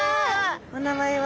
お名前は？